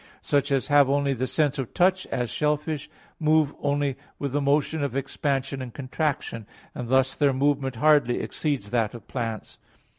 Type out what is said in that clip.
Such as have only the sense of touch, as shellfish, move only with the motion of expansion and contraction; and thus their movement hardly exceeds that of plants.